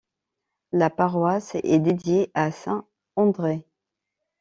La paroisse est dédiée à saint André.